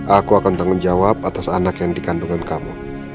aku akan tanggung jawab atas anak yang dikandungkan kamu